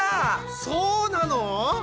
そうなの！？